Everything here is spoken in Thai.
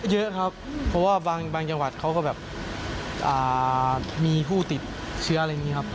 เยอะครับเพราะว่าบางจังหวัดเขาก็แบบมีผู้ติดเชื้ออะไรอย่างนี้ครับ